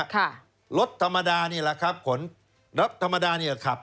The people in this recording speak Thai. ค่ะรถธรรมดานี่แหละครับขนรถธรรมดานี่แหละครับ